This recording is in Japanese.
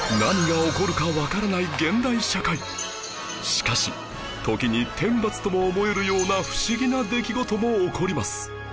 しかし時に天罰とも思えるような不思議な出来事も起こります